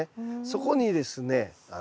そこにですね